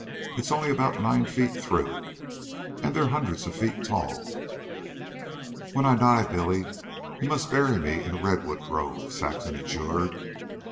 It's only about nine feet through. An' they're hundreds of feet tall." "When I die, Billy, you must bury me in a redwood grove," Saxon adjured.